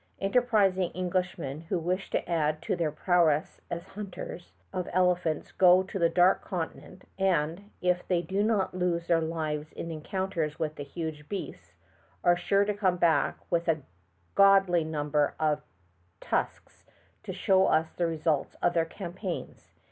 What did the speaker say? Enterprising English men who wish to add to their prowess as hunters of elephants go to the Dark Continent, and, if they do not lose their lives in encounters with the huge beasts, are sure to come back with a goodly number of tusks to show us the result of their campaigns.